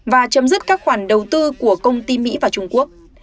và chấm dứt các khoản đầu tư của công ty mỹ và trung quốc